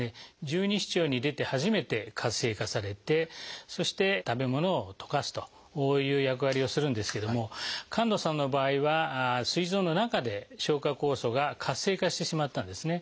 十二指腸に出て初めて活性化されてそして食べ物を溶かすという役割をするんですけども神門さんの場合はすい臓の中で消化酵素が活性化してしまったんですね。